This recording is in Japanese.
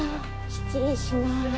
失礼します。